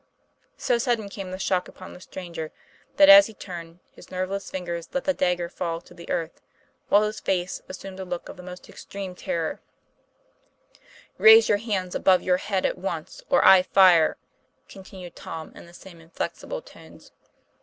So sudden came the shock upon the stranger, that, as he turned, his nerveless fingers let the dagger fall to the earth, while his face assumed a look of the most extreme terror, TOM PLAY FAIR. ^3 J " Raise your hands above your head, at once, of I fire," continued Tom, in the same inflexible tones.